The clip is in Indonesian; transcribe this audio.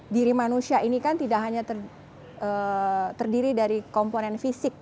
diri manusia ini kan tidak hanya terdiri dari komponen fisik